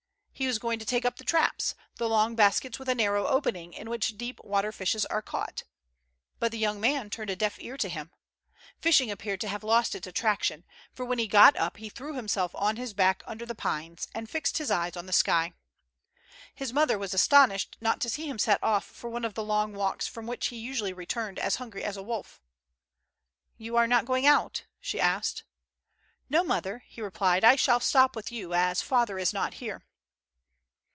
He was going to take up the traps, the long baskets with a narrow opening, in which deep water fishes are caught. But the young man turned a deaf ear to him. Fishing appeared to have lost its attraction, for when he got up he threw himself on his back under the pines, and fixed his eyes on the sky. Ilis mother was astonished not to see him set off* for one of the long walks from which he usually returned as hungry as a wolf. "You are not going out? " she asked. " No, mother,'' he replied. " I shall stop with you, as father is not here."